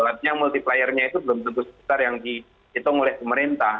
artinya multipliernya itu belum tentu sebesar yang dihitung oleh pemerintah